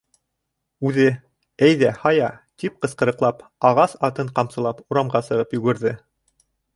Үҙе: — Әйҙә, һая! — тип ҡысҡырыҡлап, ағас атын ҡамсылап, урамға сығып йүгерҙе.